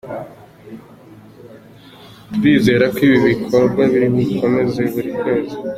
Turizerako ibi bikorwa bizakomeza buri kwezi.